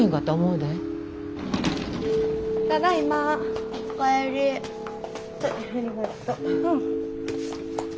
うん。